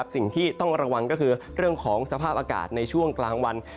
สิ่งที่ต้องระวังก็คือเรื่องของสภาพอากาศในช่วงกลางวัน